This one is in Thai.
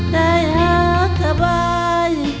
ได้หาสบาย